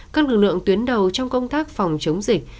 các lực lượng tuyến đầu trong công tác phòng chống dịch